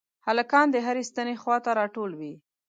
هلکان د هرې ستنې خواته راټول وي.